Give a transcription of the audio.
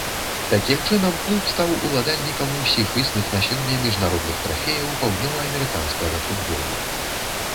Такім чынам, клуб стаў уладальнікам усіх існых на сёння міжнародных трафеяў паўднёваамерыканскага футболу.